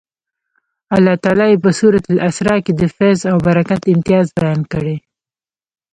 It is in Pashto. الله تعالی یې په سورة الاسرا کې د فیض او برکت امتیاز بیان کړی.